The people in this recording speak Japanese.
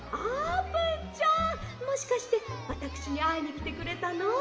もしかしてわたくしにあいにきてくれたの？